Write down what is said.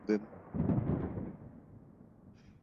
মুক্তিযুদ্ধের শুরুতেই তিনি সীমান্ত পাড়ি দিয়ে লড়াইয়ে যোগ দেন।